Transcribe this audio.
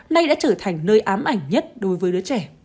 nay đã trở thành nơi ám ảnh nhất đối với đứa trẻ